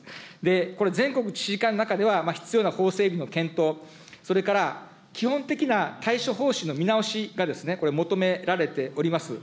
これ、全国知事会の中では、必要な法整備の検討、それから基本的な対処方針の見直しがこれ、求められております。